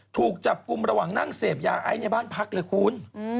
ถูกจับกลุ่มระหว่างนั่งเสพยาไอซ์ในบ้านพักเลยคุณ